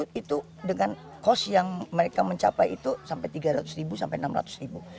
itu dengan cost yang mereka mencapai itu sampai tiga ratus ribu sampai enam ratus ribu